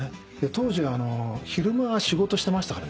当時昼間は仕事してましたからねみんな。